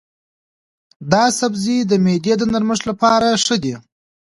دا سبزی د معدې د نرمښت لپاره ښه دی.